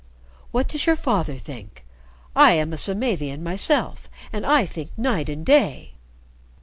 "What does your father think? I am a Samavian myself, and I think night and day.